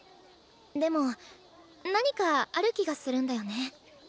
でも何かある気がするんだよね。